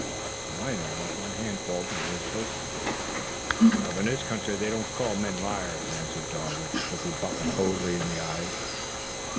The miner let one hand fall to his holster. "Up in this country they don't call men liars," answered Darwood, looking Butler coldly in the eyes.